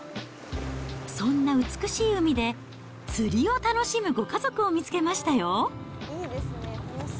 そんな美しい海で、釣りを楽しむご家族を見つけましたよ。